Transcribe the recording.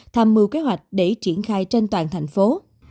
tham mưu kế hoạch để triển khai trên toàn thành phố